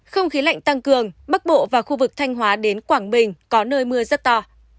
không khí lạnh tăng cường bắc bộ và khu vực thanh hóa đến quảng bình có nơi mưa rất to